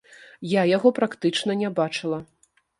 Я яго практычна не бачыла.